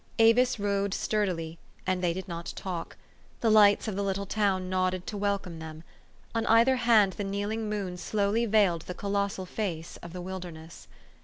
Avis rowed sturdily, and they did not talk. The lights of the little town nod ded to welcome them. On either hand the kneel ing moon slowly veiled the colossal face of the wilderness.